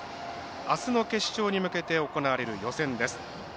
あすの決勝に向けて行われる予選です。